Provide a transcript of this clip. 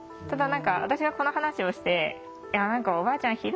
ただ何か私がこの話をして何かおばあちゃん